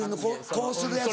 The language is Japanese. こうするやつ。